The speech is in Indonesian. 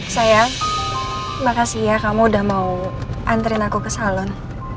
saya makasih ya kamu udah mau antri aku ke salon